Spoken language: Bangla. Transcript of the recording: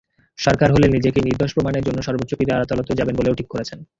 দরকার হলে নিজেকে নির্দোষ প্রমাণের জন্য সর্বোচ্চ ক্রীড়া আদালতে যাবেন বলেও ঠিক করেছেন।